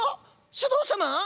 首藤様